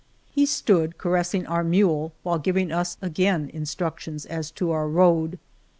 He stood caressing our mule while giving us again instructions as to our road.